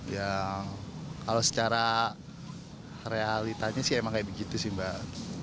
yang kalau secara realitanya sih emang kayak begitu sih mbak